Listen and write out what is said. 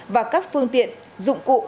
và các phương tiện dụng cụ